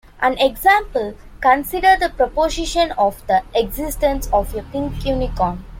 An example: Consider the proposition of the existence of a "pink unicorn".